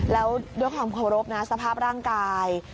แล้วด้วยความเคารพนะสภาพร่างกาย